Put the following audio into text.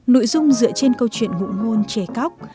nội dung dựa trên câu chuyện ngụ ngôn trè cóc